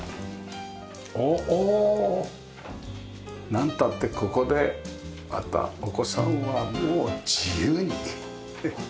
なんたってここでまたお子さんはもう自由に。